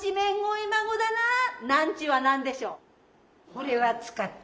ほれは使った。